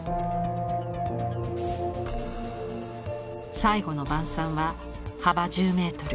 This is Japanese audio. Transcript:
「最後の晩餐」は幅１０メートル